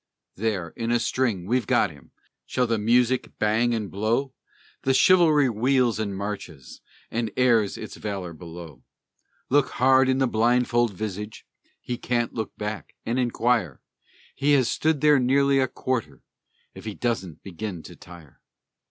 There, in a string, we've got him! (Shall the music bang and blow?) The chivalry wheels and marches, And airs its valor below. Look hard in the blindfold visage (He can't look back), and inquire (He has stood there nearly a quarter), If he doesn't begin to tire?